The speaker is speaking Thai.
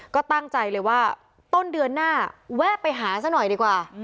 ก็ตั้งใจเลยว่าต้นเดือนหน้าแวะไปหาซะหน่อยดีกว่า